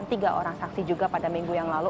tiga orang saksi juga pada minggu yang lalu